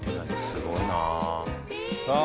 すごいなああ